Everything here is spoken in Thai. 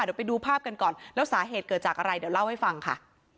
เดี๋ยวไปดูภาพกันก่อนแล้วสาเหตุเกิดจากอะไรเดี๋ยวเล่าให้ฟังค่ะ